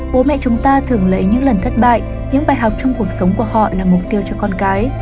bố mẹ chúng ta thường lấy những lần thất bại những bài học trong cuộc sống của họ là mục tiêu cho con cái